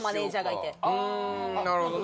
うんなるほどね